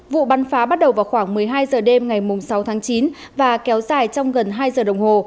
vụ bắn phá bắt đầu vào khoảng một mươi hai giờ đêm ngày sáu tháng chín và kéo dài trong gần hai giờ đồng hồ